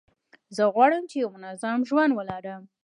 زه غواړم چي یو منظم ژوند ولرم.